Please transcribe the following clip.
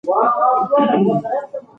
هغه په خپل ځای کې په بیړه را سم شو.